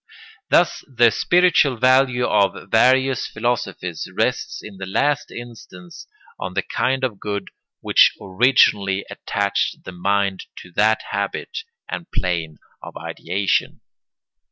Thus the spiritual value of various philosophies rests in the last instance on the kind of good which originally attached the mind to that habit and plane of ideation.